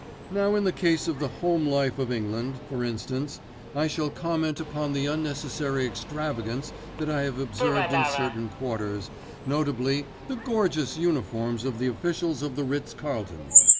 Now in the case of the Home Life of England, for instance, I shall comment upon the unnecessary extravagance that I have observed in certain quarters, notably the gorgeous uniforms of the officials at the Ritz Carlton.